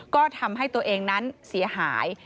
ก็ทำให้ตัวเองนั้นเสียหาย